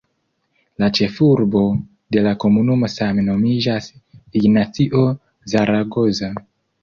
La ĉefurbo de la komunumo same nomiĝas "Ignacio Zaragoza".